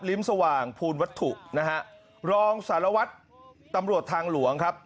สว่างภูลวัตถุนะฮะรองสารวัตรตำรวจทางหลวงครับ